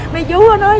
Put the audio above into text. mấy chú nó nói